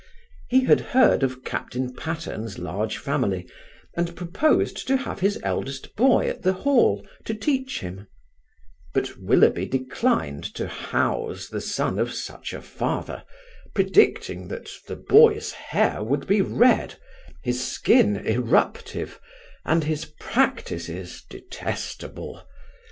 He had heard of Captain Patterne's large family, and proposed to have his eldest boy at the Hall, to teach him; but Willoughby declined to house the son of such a father, predicting that the boy's hair would be red, his skin eruptive, and his practices detestable.